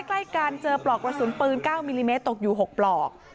ใกล้กันเจอปลอกกระสุนปืน๙มิลลิเมตรตกอยู่๖ปลอก